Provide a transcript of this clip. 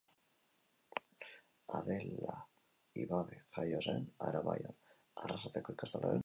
Adela Ibabe jaio zen Aramaion, Arrasateko ikastolaren sortzailea